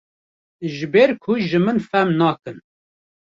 ji ber ku ji min fehm nakin.